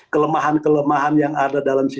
kelemahan kelemahan yang ada dalam